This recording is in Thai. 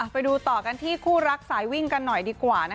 ไปดูต่อกันที่คู่รักสายวิ่งกันหน่อยดีกว่า